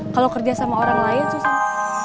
kalau kerja sama orang lain susah